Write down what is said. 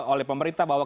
oleh pemerintah bahwa